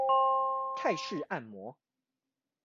泰式按摩